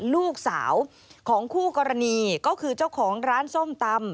ลูกสาวของคู่กรณีก็คือเจ้าของร้านส้มตำ